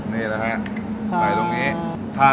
นี่แหละฮะ